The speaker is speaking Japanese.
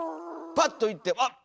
パッといって「あっ」。